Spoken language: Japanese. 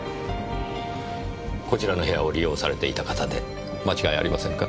こちらの部屋を利用されていた方で間違いありませんか？